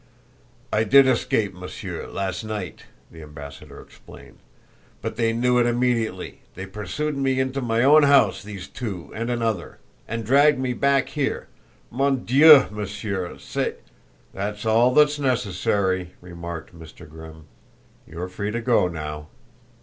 "I did escape, Monsieur, last night," the ambassador explained, "but they knew it immediately they pursued me into my own house, these two and another and dragged me back here! Mon Dieu, Monsieur, c'est !" "That's all that's necessary," remarked Mr. Grimm. "You are free to go now."